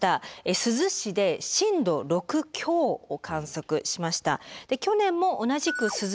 珠洲市で震度６強を観測しました。